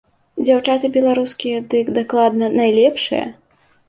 Дзяўчаты беларускія дык дакладна найлепшыя.